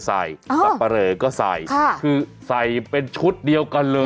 สับปะเหลอก็ใส่คือใส่เป็นชุดเดียวกันเลย